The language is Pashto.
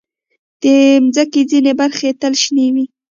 د مځکې ځینې برخې تل شنې وي.